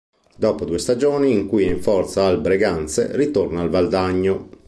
Dopo due stagioni in cui è in forza al Breganze ritorna al Valdagno.